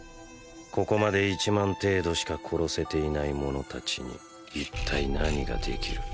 ここまで１万程度しか殺せていない者たちに一体何ができる。